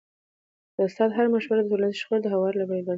د استاد هره مشوره د ټولنیزو شخړو د هوارولو لپاره یو بنسټ دی.